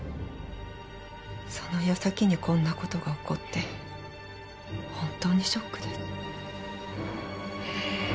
その矢先にこんなことが起こってホントにショックです。